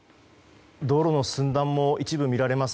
道路の寸断も一部見られます。